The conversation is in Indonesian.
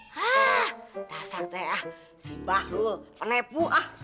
haaa dasar teh si bahlul penehpuk ah